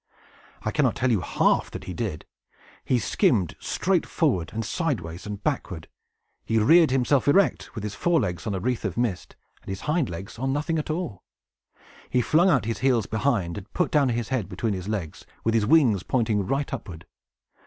I cannot tell you half that he did. He skimmed straight forward, and sideways, and backward. He reared himself erect, with his fore legs on a wreath of mist, and his hind legs on nothing at all. He flung out his heels behind, and put down his head between his legs, with his wings pointing right upward.